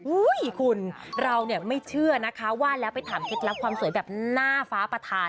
อุ๊ยคุณเราไม่เชื่อนะคะว่าแล้วไปถามเท็จรับความสวยแบบหน้าฟ้าประธาน